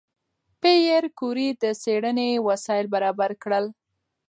پېیر کوري د څېړنې وسایل برابر کړل.